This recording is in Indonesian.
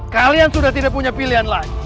kalian sudah tidak punya pilihan lain